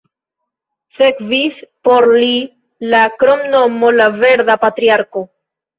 Sekvis por li la kromnomo "la Verda Patriarko".